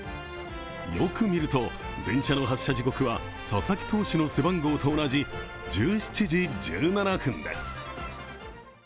よく見ると、電車の発車時刻は佐々木投手の背番号と同じ１７時１７分です。